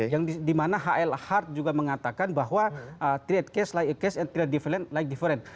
yang dimana h l hart juga mengatakan bahwa trade case like a case and trade different like different